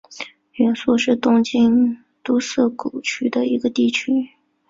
原宿是东京都涩谷区的一个地区。